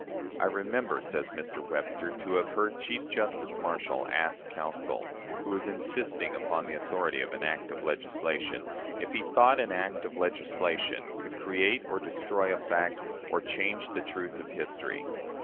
"'I remember,' says Mr. Webster, 'to have heard Chief Justice Marshall ask counsel, who was insisting upon the authority of an act of legislation, if he thought an act of legislation could create or destroy a fact, or change the truth of history?